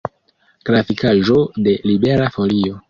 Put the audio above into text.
Grafikaĵo de Libera Folio.